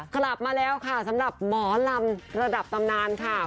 กลับมาแล้วค่ะสำหรับหมอลำระดับตำนานค่ะ